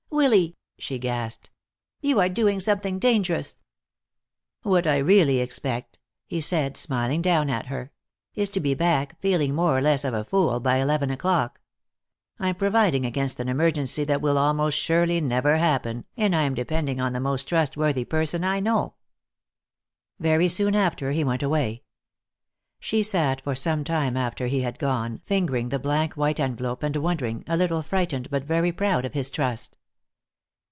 "Willy!" she gasped. "You are doing something dangerous!" "What I really expect," he said, smiling down at her, "is to be back, feeling more or less of a fool, by eleven o'clock. I'm providing against an emergency that will almost surely never happen, and I am depending on the most trustworthy person I know." Very soon after that he went away. She sat for some time after he had gone, fingering the blank white envelope and wondering, a little frightened but very proud of his trust.